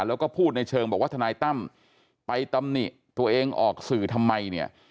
แล้วก็พูดในเชิงบอกว่าทนายตั้มไปตำหนิตัวเองออกสื่อทำไมเนี่ย